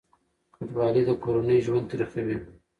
کډوالي د کورنیو ژوند تریخوي.